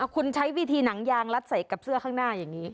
คุณใช้วิธีหนังยางรัดใส่กับเสื้อข้างหน้าอย่างนี้